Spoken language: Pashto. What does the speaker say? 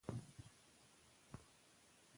پېیر کوري ولې خپل تمرکز په ماري کې واچاوه؟